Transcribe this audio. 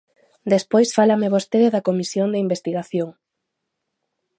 Despois fálame vostede da Comisión de investigación.